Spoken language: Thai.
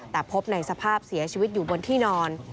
แต่พบในสภาพเสียชีวิตอยู่บนที่นอน